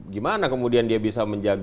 gimana kemudian dia bisa menjaga